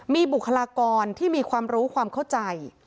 มีบุคลากรที่มีความรู้ความเข้าใจ